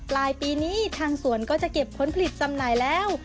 ปลายปีนี้ทางสวนก็จะเก็บผลผลิตจำหน่ายแล้ว